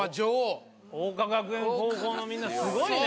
桜花学園高校のみんなスゴいね。